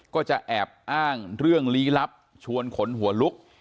ก็จะแอบอ้างเรื่องลี้ลับชวนขนหัวลุก